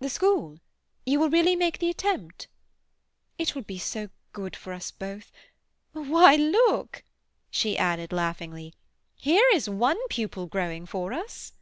"The school? You will really make the attempt?" "It will be so good for us both. Why, look," she added laughingly, "here is one pupil growing for us!"